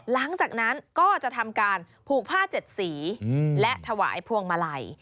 หลังจากนั้นก็จะทำการผูกผ้าเจ็ดสีและถวายพวงมาลัย